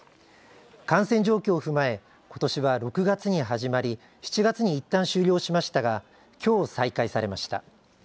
感染状況を踏まえ、ことしは、６月に始まり、７月にいったん終了しましたがきょう再開されました。